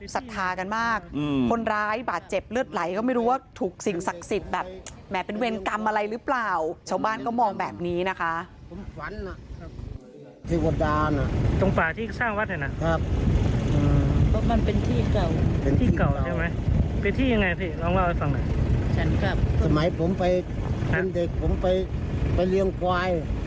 สมัยผมเป็นเด็กผมไปเลี้ยงไกว